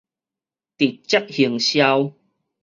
直接行銷